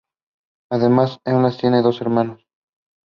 They had followed the traditional route of the first ascent.